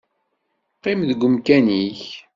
Qqim deg umkan-ik.